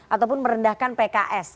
untuk merendahkan pks